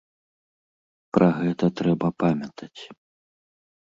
Пра гэта трэба памятаць.